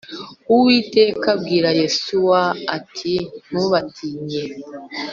Uwiteka abwira Yosuwa ati Ntubatinye